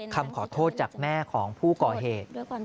คำขอโทษจากแม่ของผู้ก่อเหตุ